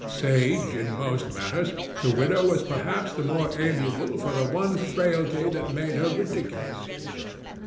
Sage in most matters, the widow was perhaps the more amiable for the one frailty that made her ridiculous.